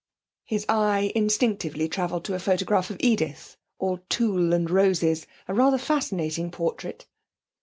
His eye instinctively travelled to a photograph of Edith, all tulle and roses; a rather fascinating portrait.